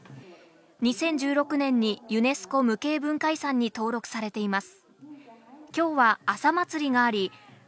２０１６年にユネスコ無形文化遺産に登録されています。